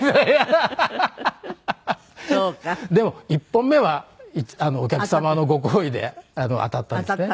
でも１本目はお客様のご厚意で当たったんですね。